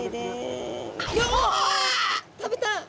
食べた！